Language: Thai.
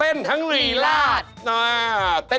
โอ้โฮ